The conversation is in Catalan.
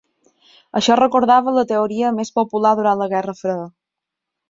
Això recordava a la teoria més popular durant la Guerra Freda.